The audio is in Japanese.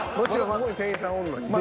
ここに店員さんおるのに。